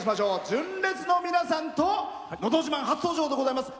純烈の皆さんと「のど自慢」初登場でございます。